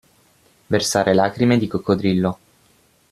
Versare lacrime di coccodrillo.